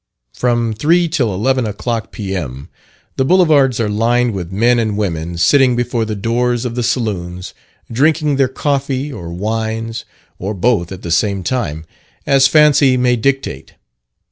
From three till eleven o'clock, P.M., the Boulevards are lined with men and women sitting before the doors of the saloons drinking their coffee or wines, or both at the same time, as fancy may dictate.